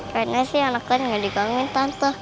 kayaknya sih anak kalian nggak digangguin tante